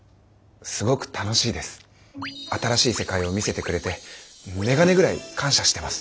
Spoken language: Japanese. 新しい世界を見せてくれて眼鏡ぐらい感謝してます。